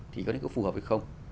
thì có nghĩa là phù hợp hay không